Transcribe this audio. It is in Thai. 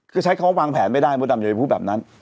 คือใช้คำว่าวางแผนไม่ได้เพราะดำเนยพูดแบบนั้น